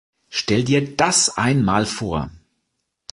Stell Dir das einmal vor!